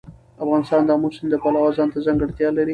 افغانستان د آمو سیند د پلوه ځانته ځانګړتیا لري.